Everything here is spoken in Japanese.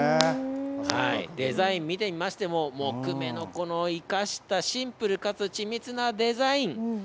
デザイン見てみましても、木目の生かしたシンプルかつ緻密なデザイン。